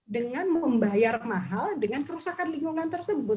dengan membayar mahal dengan kerusakan lingkungan tersebut